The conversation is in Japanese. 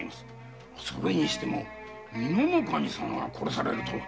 それにしても美濃守様が殺されるとは。